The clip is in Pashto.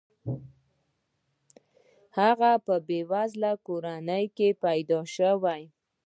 هغه په بې وزله کورنۍ کې پیدا شوی.